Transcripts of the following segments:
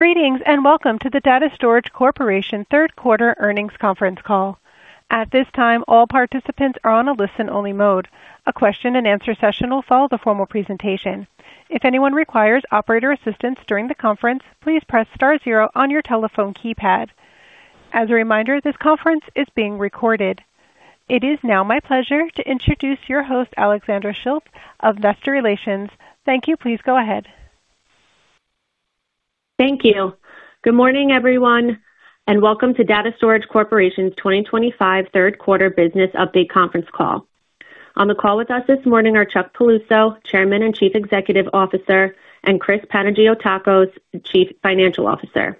Greetings and welcome to the Data Storage Corporation Third Quarter Earnings Conference Call. At this time, all participants are on a listen-only mode. A question-and-answer session will follow the formal presentation. If anyone requires operator assistance during the conference, please press star zero on your telephone keypad. As a reminder, this conference is being recorded. It is now my pleasure to introduce your host, Alexandra Schilt of Investor Relations. Thank you. Please go ahead. Thank you. Good morning, everyone, and welcome to Data Storage Corporation's 2025 third-quarter business update conference call. On the call with us this morning are Chuck Piluso, Chairman and Chief Executive Officer, and Chris Panagiotakos, Chief Financial Officer.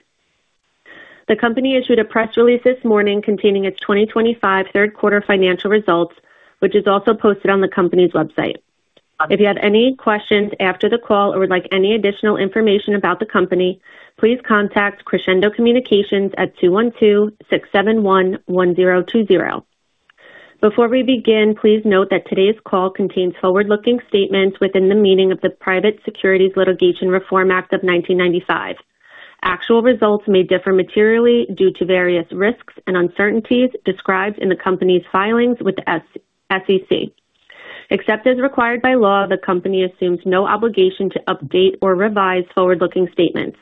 The company issued a press release this morning containing its 2025 third-quarter financial results, which is also posted on the company's website. If you have any questions after the call or would like any additional information about the company, please contact Crescendo Communications at 212-671-1020. Before we begin, please note that today's call contains forward-looking statements within the meaning of the Private Securities Litigation Reform Act of 1995. Actual results may differ materially due to various risks and uncertainties described in the company's filings with the SEC. Except as required by law, the company assumes no obligation to update or revise forward-looking statements.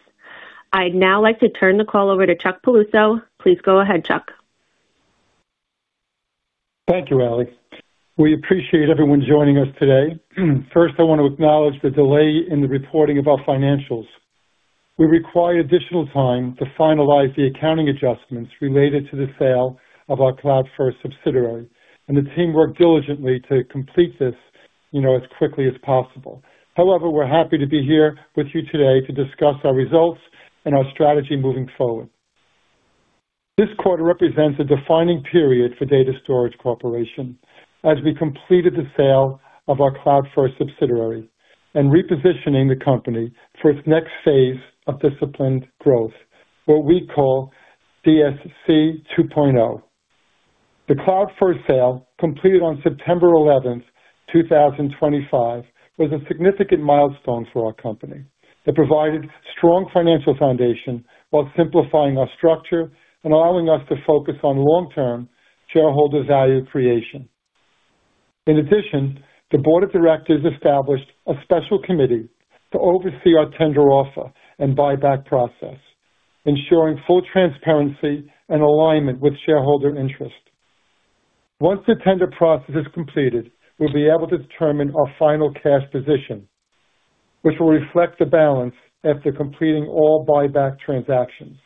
I'd now like to turn the call over to Chuck Piluso. Please go ahead, Chuck. Thank you, Ali. We appreciate everyone joining us today. First, I want to acknowledge the delay in the reporting of our financials. We required additional time to finalize the accounting adjustments related to the sale of our CloudFirst subsidiary, and the team worked diligently to complete this as quickly as possible. However, we're happy to be here with you today to discuss our results and our strategy moving forward. This quarter represents a defining period for Data Storage Corporation as we completed the sale of our CloudFirst subsidiary and repositioning the company for its next phase of disciplined growth, what we call DSC 2.0. The CloudFirst sale completed on September 11, 2025, was a significant milestone for our company. It provided a strong financial foundation while simplifying our structure and allowing us to focus on long-term shareholder value creation. In addition, the board of directors established a special committee to oversee our tender offer and buyback process, ensuring full transparency and alignment with shareholder interests. Once the tender process is completed, we'll be able to determine our final cash position, which will reflect the balance after completing all buyback transactions.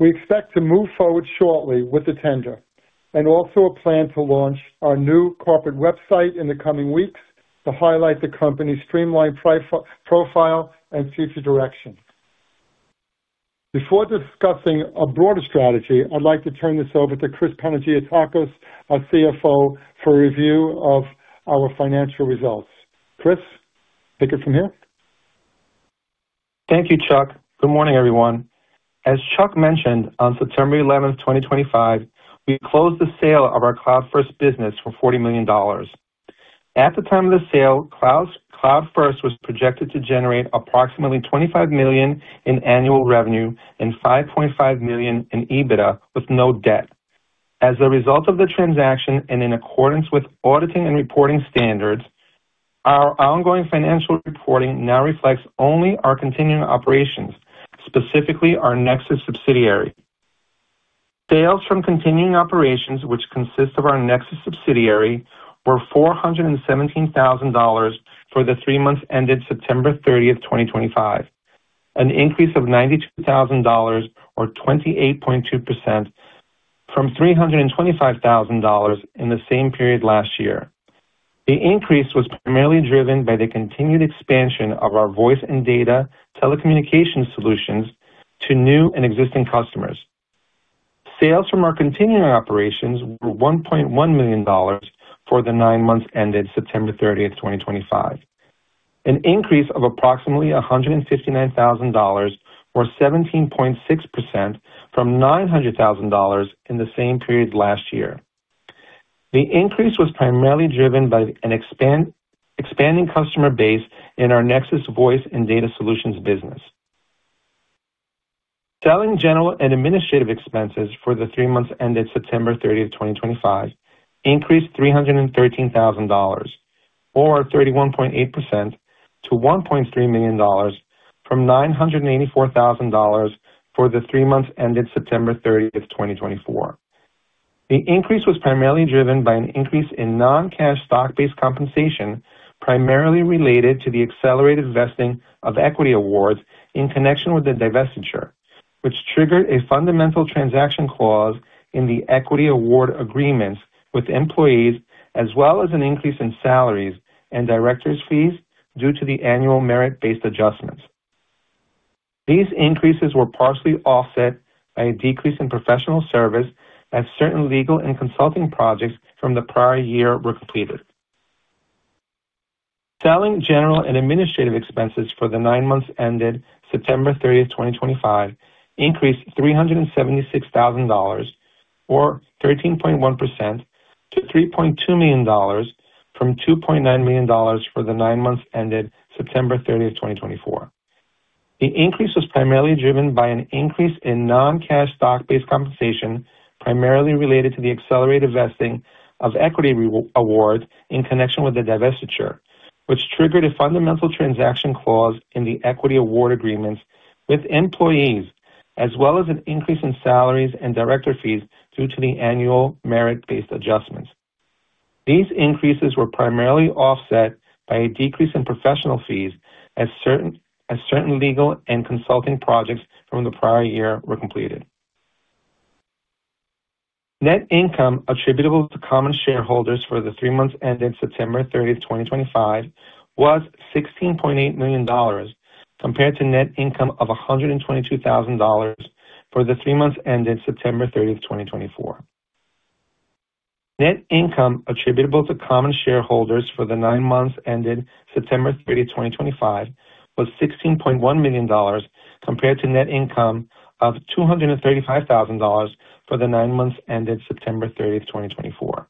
We expect to move forward shortly with the tender and also plan to launch our new corporate website in the coming weeks to highlight the company's streamlined profile and future direction. Before discussing a broader strategy, I'd like to turn this over to Chris Panagiotakos, our CFO, for a review of our financial results. Chris, take it from here. Thank you, Chuck. Good morning, everyone. As Chuck mentioned, on September 11th, 2025, we closed the sale of our CloudFirst business for $40 million. At the time of the sale, CloudFirst was projected to generate approximately $25 million in annual revenue and $5.5 million in EBITDA with no debt. As a result of the transaction and in accordance with auditing and reporting standards, our ongoing financial reporting now reflects only our continuing operations, specifically our Nexus subsidiary. Sales from continuing operations, which consist of our Nexus subsidiary, were $417,000 for the three months ended September 30th, 2025, an increase of $92,000 or 28.2% from $325,000 in the same period last year. The increase was primarily driven by the continued expansion of our voice and data telecommunication solutions to new and existing customers. Sales from our continuing operations were $1.1 million for the nine months ended September 30th, 2025, an increase of approximately $159,000 or 17.6% from $900,000 in the same period last year. The increase was primarily driven by an expanding customer base in our Nexus voice and data solutions business. Selling, general, and administrative expenses for the three months ended September 30th, 2025, increased $313,000 or 31.8% to $1.3 million from $984,000 for the three months ended September 30th, 2024. The increase was primarily driven by an increase in non-cash stock-based compensation primarily related to the accelerated vesting of equity awards in connection with the divestiture, which triggered a fundamental transaction clause in the equity award agreements with employees, as well as an increase in salaries and directors' fees due to the annual merit-based adjustments. These increases were partially offset by a decrease in professional service as certain legal and consulting projects from the prior year were completed. Selling, general, and administrative expenses for the nine months ended September 30th, 2025, increased $376,000 or 13.1% to $3.2 million from $2.9 million for the nine months ended September 30th, 2024. The increase was primarily driven by an increase in non-cash stock-based compensation primarily related to the accelerated vesting of equity awards in connection with the divestiture, which triggered a fundamental transaction clause in the equity award agreements with employees, as well as an increase in salaries and director fees due to the annual merit-based adjustments. These increases were primarily offset by a decrease in professional fees as certain legal and consulting projects from the prior year were completed. Net income attributable to common shareholders for the three months ended September 30th, 2025, was $16.8 million compared to net income of $122,000 for the three months ended September 30th, 2024. Net income attributable to common shareholders for the nine months ended September 30th, 2025, was $16.1 million compared to net income of $235,000 for the nine months ended September 30th, 2024.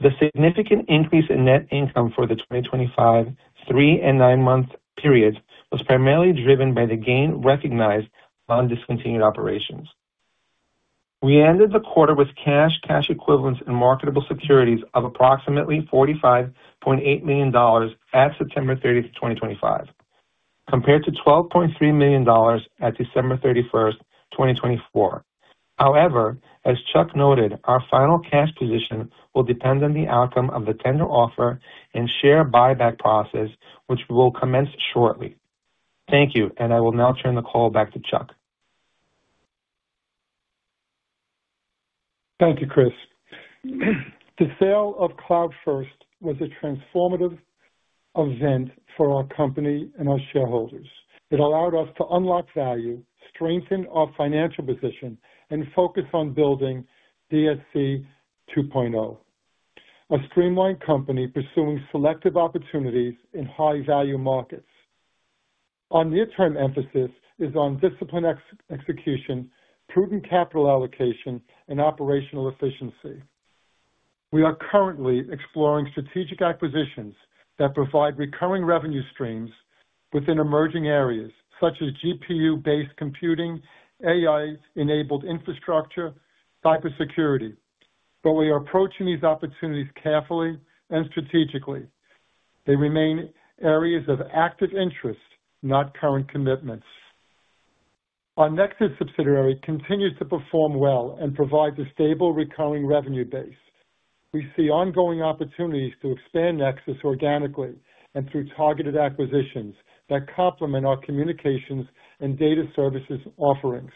The significant increase in net income for the 2025 three and nine-month periods was primarily driven by the gain recognized on discontinued operations. We ended the quarter with cash, cash equivalents, and marketable securities of approximately $45.8 million at September 30th, 2025, compared to $12.3 million at December 31st, 2024. However, as Chuck noted, our final cash position will depend on the outcome of the tender offer and share buyback process, which will commence shortly. Thank you, and I will now turn the call back to Chuck. Thank you, Chris. The sale of CloudFirst was a transformative event for our company and our shareholders. It allowed us to unlock value, strengthen our financial position, and focus on building DSC 2.0, a streamlined company pursuing selective opportunities in high-value markets. Our near-term emphasis is on disciplined execution, prudent capital allocation, and operational efficiency. We are currently exploring strategic acquisitions that provide recurring revenue streams within emerging areas such as GPU-based computing, AI-enabled infrastructure, and cybersecurity, but we are approaching these opportunities carefully and strategically. They remain areas of active interest, not current commitments. Our Nexus subsidiary continues to perform well and provide a stable recurring revenue base. We see ongoing opportunities to expand Nexus organically and through targeted acquisitions that complement our communications and data services offerings.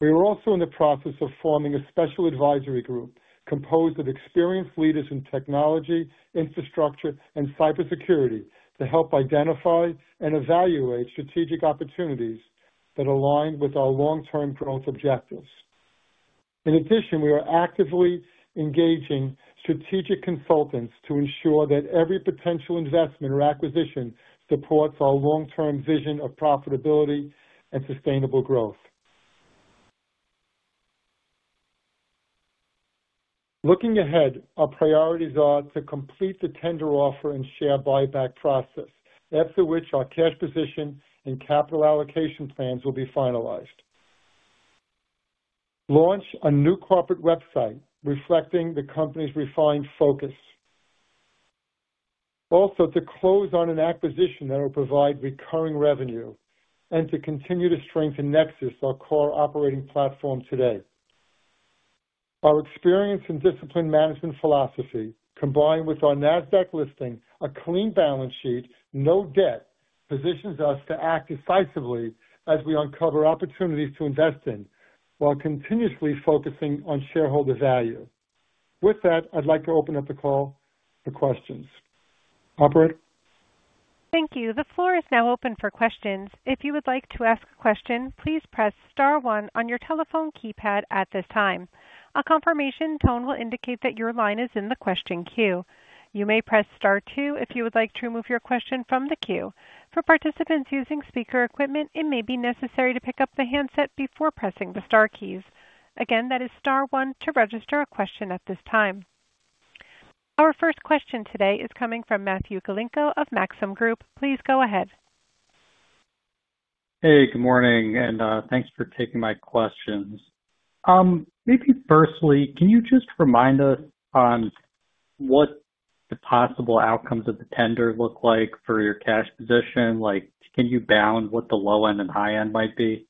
We are also in the process of forming a special advisory group composed of experienced leaders in technology, infrastructure, and cybersecurity to help identify and evaluate strategic opportunities that align with our long-term growth objectives. In addition, we are actively engaging strategic consultants to ensure that every potential investment or acquisition supports our long-term vision of profitability and sustainable growth. Looking ahead, our priorities are to complete the tender offer and share buyback process, after which our cash position and capital allocation plans will be finalized, launch a new corporate website reflecting the company's refined focus, also to close on an acquisition that will provide recurring revenue, and to continue to strengthen Nexus, our core operating platform today. Our experience in discipline management philosophy, combined with our Nasdaq listing, a clean balance sheet, and no debt positions us to act decisively as we uncover opportunities to invest in while continuously focusing on shareholder value. With that, I'd like to open up the call for questions. Operator. Thank you. The floor is now open for questions. If you would like to ask a question, please press star one on your telephone keypad at this time. A confirmation tone will indicate that your line is in the question queue. You may press star two if you would like to remove your question from the queue. For participants using speaker equipment, it may be necessary to pick up the handset before pressing the star keys. Again, that is star one to register a question at this time. Our first question today is coming from Matthew Galinko of Maxim Group. Please go ahead. Hey, good morning, and thanks for taking my questions. Maybe firstly, can you just remind us on what the possible outcomes of the tender look like for your cash position? Can you bound what the low end and high end might be?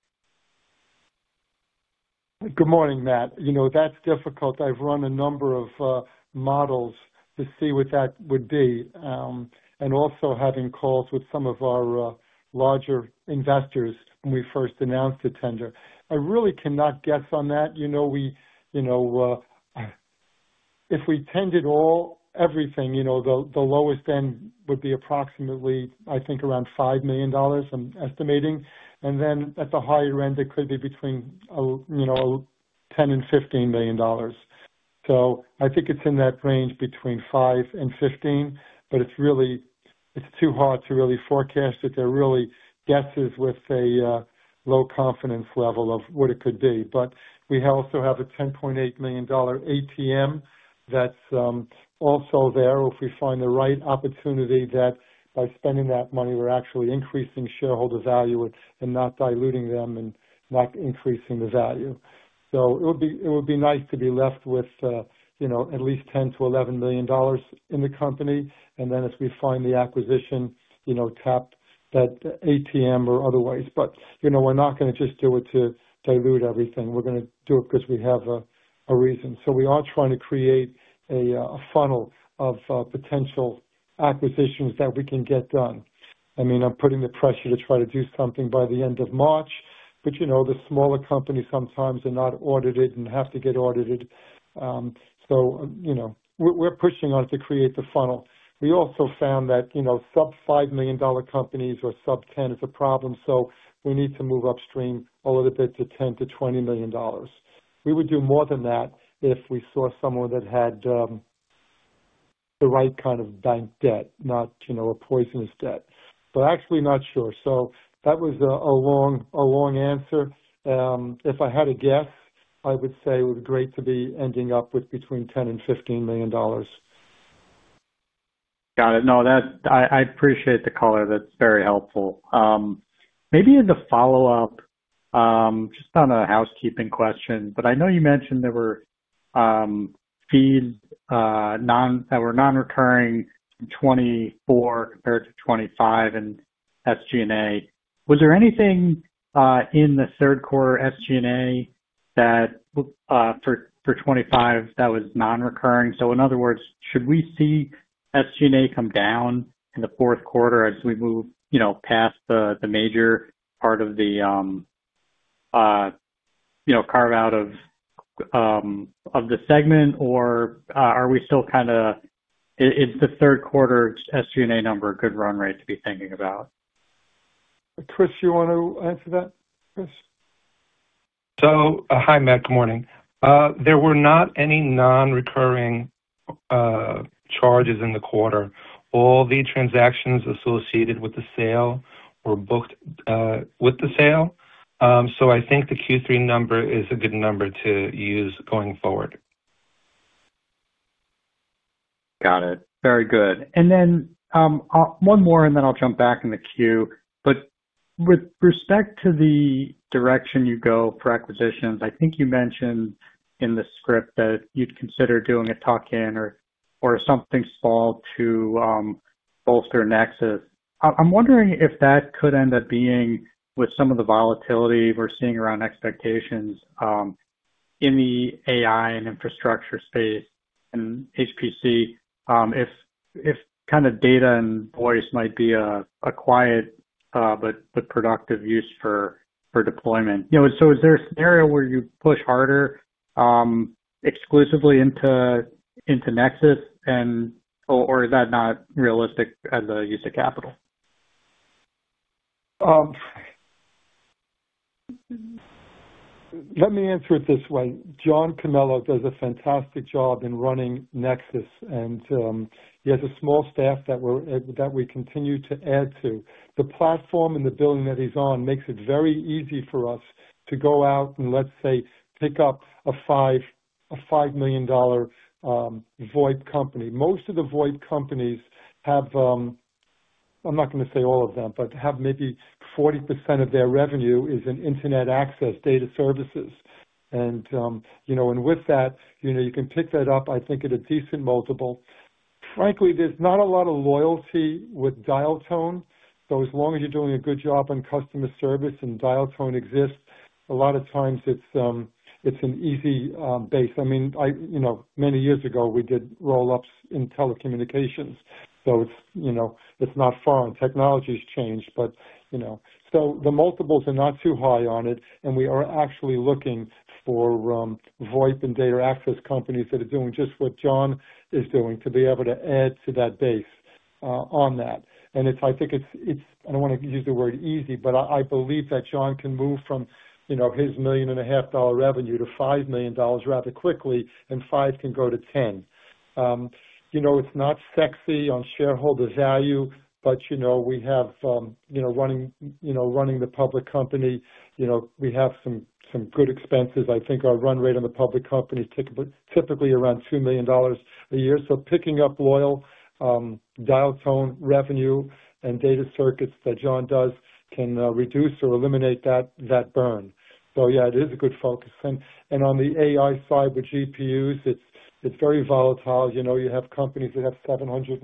Good morning, Matt. You know that's difficult. I've run a number of models to see what that would be, and also having calls with some of our larger investors when we first announced the tender. I really cannot guess on that. If we tendered everything, the lowest end would be approximately, I think, around $5 million, I'm estimating. And then at the higher end, it could be between $10 million and $15 million. I think it's in that range between $5 million and $15 million, but it's too hard to really forecast it. They're really guesses with a low confidence level of what it could be. We also have a $10.8 million ATM that's also there. If we find the right opportunity that by spending that money, we're actually increasing shareholder value and not diluting them and not increasing the value. It would be nice to be left with at least $10 million-$11 million in the company. Then as we find the acquisition, tap that ATM or otherwise. We are not going to just do it to dilute everything. We are going to do it because we have a reason. We are trying to create a funnel of potential acquisitions that we can get done. I mean, I am putting the pressure to try to do something by the end of March, but you know the smaller companies sometimes are not audited and have to get audited. We are pushing on to create the funnel. We also found that sub-$5 million companies or sub-$10 million is a problem, so we need to move upstream a little bit to $10 million-$20 million. We would do more than that if we saw someone that had the right kind of bank debt, not a poisonous debt. Actually, not sure. That was a long answer. If I had a guess, I would say it would be great to be ending up with between $10 million and $15 million. Got it. No, I appreciate the color. That's very helpful. Maybe as a follow-up, just on a housekeeping question, but I know you mentioned there were fees that were non-recurring in 2024 compared to 2025 in SG&A. Was there anything in the third quarter SG&A that for 2025 that was non-recurring? In other words, should we see SG&A come down in the fourth quarter as we move past the major part of the carve-out of the segment, or are we still kind of, is the third quarter SG&A number a good run rate to be thinking about? Chris, do you want to answer that, Chris? Hi, Matt. Good morning. There were not any non-recurring charges in the quarter. All the transactions associated with the sale were booked with the sale. I think the Q3 number is a good number to use going forward. Got it. Very good. One more, and then I'll jump back in the queue. With respect to the direction you go for acquisitions, I think you mentioned in the script that you'd consider doing a tuck-in or something small to bolster Nexus. I'm wondering if that could end up being with some of the volatility we're seeing around expectations in the AI and infrastructure space and HPC, if kind of data and voice might be a quiet but productive use for deployment. Is there a scenario where you push harder exclusively into Nexus, or is that not realistic as a use of capital? Let me answer it this way. John Canelo does a fantastic job in running Nexus, and he has a small staff that we continue to add to. The platform and the building that he's on makes it very easy for us to go out and, let's say, pick up a $5 million VoIP company. Most of the VoIP companies have, I'm not going to say all of them, but have maybe 40% of their revenue is in internet access data services. With that, you can pick that up, I think, at a decent multiple. Frankly, there's not a lot of loyalty with Dial tone. As long as you're doing a good job on customer service and Dial tone exists, a lot of times it's an easy base. I mean, many years ago, we did roll-ups in telecommunications. It's not far on technology's change. The multiples are not too high on it, and we are actually looking for VoIP and data access companies that are doing just what John is doing to be able to add to that base on that. I think it's, I don't want to use the word easy, but I believe that John can move from his $1.5 million revenue to $5 million rather quickly, and $5 million can go to $10 million. It's not sexy on shareholder value, but we have running the public company, we have some good expenses. I think our run rate on the public company is typically around $2 million a year. Picking up loyal dial tone revenue and data circuits that John does can reduce or eliminate that burn. Yeah, it is a good focus. On the AI side with GPUs, it's very volatile. You have companies that have $750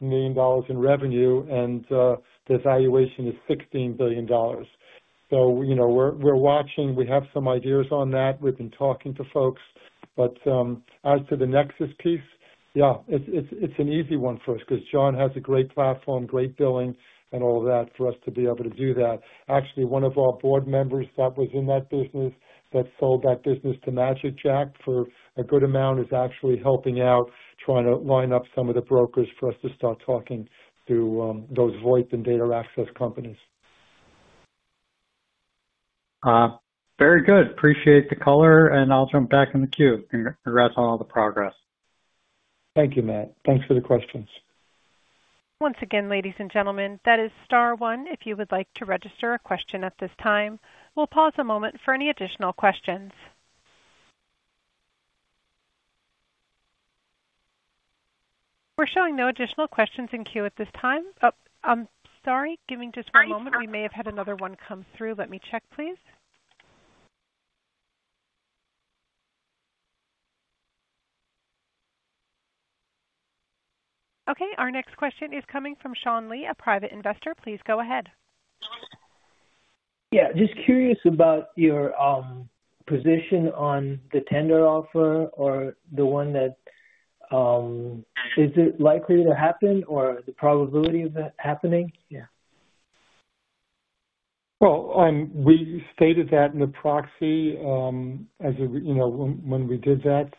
million in revenue, and the valuation is $16 billion. We are watching. We have some ideas on that. We have been talking to folks. As to the Nexus piece, yeah, it is an easy one for us because John has a great platform, great billing, and all of that for us to be able to do that. Actually, one of our board members that was in that business that sold that business to magicJack for a good amount is actually helping out, trying to line up some of the brokers for us to start talking to those VoIP and data access companies. Very good. Appreciate the color, and I'll jump back in the queue. Congrats on all the progress. Thank you, Matt. Thanks for the questions. Once again, ladies and gentlemen, that is star one if you would like to register a question at this time. We'll pause a moment for any additional questions. We're showing no additional questions in queue at this time. I'm sorry, give me just one moment. We may have had another one come through. Let me check, please. Okay. Our next question is coming from Sean Lee, a private investor. Please go ahead. Yeah. Just curious about your position on the tender offer or the one that is it likely to happen or the probability of that happening? We stated that in the proxy when we did that.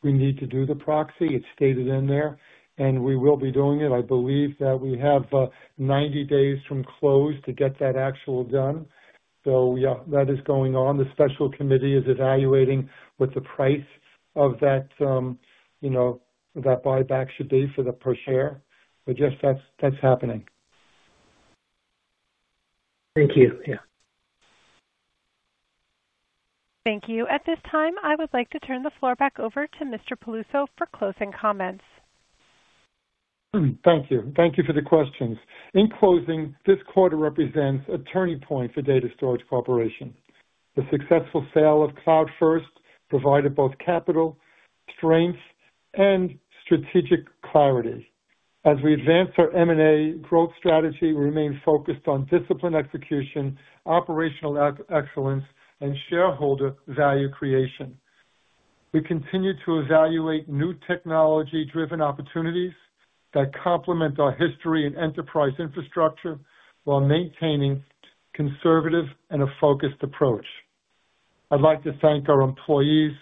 We need to do the proxy. It's stated in there, and we will be doing it. I believe that we have 90 days from close to get that actual done. That is going on. The special committee is evaluating what the price of that buyback should be for the per share. Yes, that's happening. Thank you. Yeah. Thank you. At this time, I would like to turn the floor back over to Mr. Piluso for closing comments. Thank you. Thank you for the questions. In closing, this quarter represents a turning point for Data Storage Corporation. The successful sale of CloudFirst provided both capital, strength, and strategic clarity. As we advance our M&A growth strategy, we remain focused on disciplined execution, operational excellence, and shareholder value creation. We continue to evaluate new technology-driven opportunities that complement our history and enterprise infrastructure while maintaining a conservative and focused approach. I'd like to thank our employees,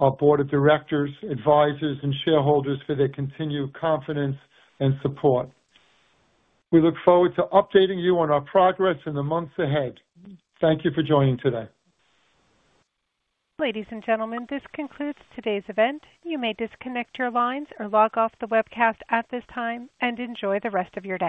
our board of directors, advisors, and shareholders for their continued confidence and support. We look forward to updating you on our progress in the months ahead. Thank you for joining today. Ladies and gentlemen, this concludes today's event. You may disconnect your lines or log off the webcast at this time and enjoy the rest of your day.